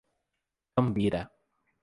Cambira